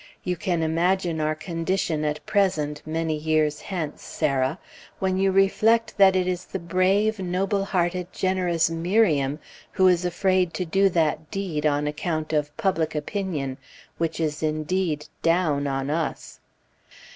You can imagine our condition at present, many years hence, Sarah, when you reflect that it is the brave, noble hearted, generous Miriam who is afraid to do that deed on account of "public opinion," which indeed is "down" on us.